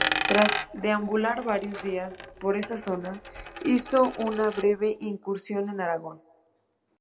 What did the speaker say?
Tras deambular varios días por esa zona, hizo una breve incursión en Aragón.